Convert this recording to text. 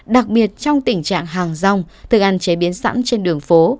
đặc biệt trong tình trạng hàng rong thức ăn chế biến sẵn trên đường phố